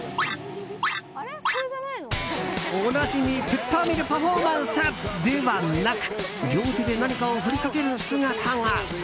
おなじみペッパーミルパフォーマンスではなく両手で何かを振りかける姿が。